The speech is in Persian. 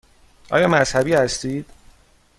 آیا مذهبی هستید؟